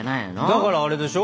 だからあれでしょ。